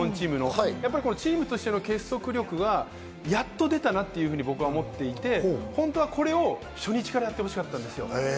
やっぱりチームとしての結束力がやっと出たなと僕は思っていて、本当はこれを初日からやってほしかったんですよ。